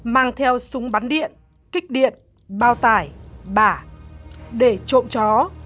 mang theo súng bắn điện kích điện bao tải bả để trộm chó